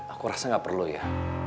aku rasa gak perlu ya